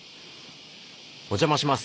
お邪魔します。